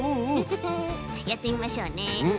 やってみましょうね。